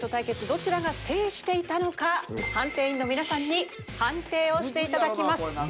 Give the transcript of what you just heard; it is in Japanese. どちらが制していたのか判定員の皆さんに判定をしていただきます。